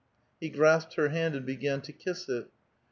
He grasped her hand and began to kiss it.